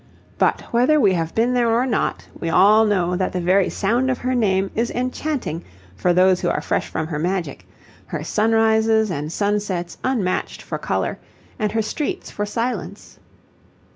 But whether we have been there or not, we all know that the very sound of her name is enchanting for those who are fresh from her magic her sunrises and sunsets unmatched for colour, and her streets for silence.